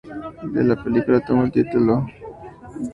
De la película tomó el título, no así la temática.